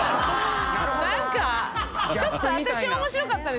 何かちょっと私面白かったんですよね。